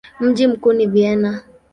Mji mkuu ni Vienna.